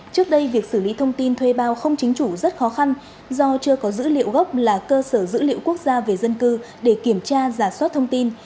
trước đây việc xử lý thông tin thuê bao không chính chủ rất khó khăn do chưa có dữ liệu gốc là cơ sở dữ liệu quốc gia về dân cư để kiểm tra giả soát thông tin